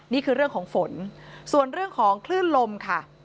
นี่คือเรื่องของฝนส่วนเรื่องของคลื่นลมค่ะ